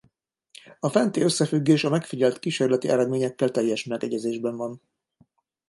A fenti összefüggés a megfigyelt kísérleti eredményekkel teljes megegyezésben van.